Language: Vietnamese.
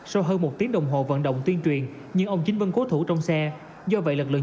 sau hơn một tiếng đồng hồ vận động tuyên truyền nhưng ông chính vẫn cố thủ trong xe do vậy lực lượng